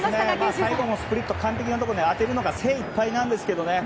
最後のスプリットを完璧なところに当てるのが精いっぱいなんですけど。